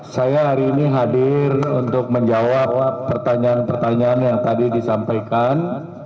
saya hari ini hadir untuk menjawab pertanyaan pertanyaan yang tadi disampaikan